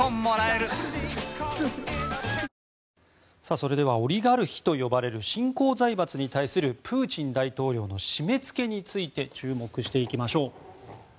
それではオリガルヒと呼ばれる新興財閥に対するプーチン大統領の締めつけについて注目していきましょう。